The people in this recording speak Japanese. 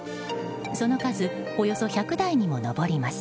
その数およそ１００台にも上ります。